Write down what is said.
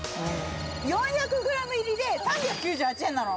４００ｇ入りで３９８円なの。